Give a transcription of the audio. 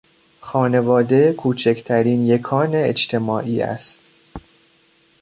خانواده کوچکترین یکان اجتماعی است.